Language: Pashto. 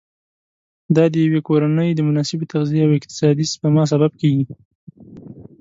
دا د یوې کورنۍ د مناسبې تغذیې او اقتصادي سپما سبب کېږي.